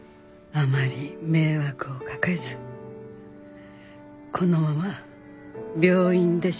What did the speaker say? あまり迷惑をかけずこのまま病院で静かに。